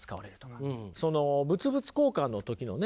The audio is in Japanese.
その物々交換の時のね